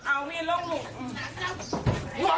อ้าวมีอีกลูกมีอีกลูก